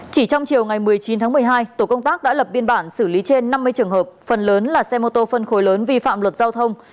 chỉ trong chiều ngày một mươi chín tháng một mươi hai tổ công tác đã lập biên bản xử lý trên năm mươi trường hợp phần lớn là xe mô tô phân khối lớn vi phạm luật giao thông